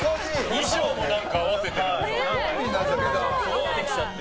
衣装も合わせてて。